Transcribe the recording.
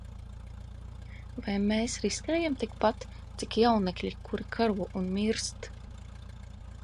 Vai mēs riskējam tikpat, cik jaunekļi, kuri karo un mirst?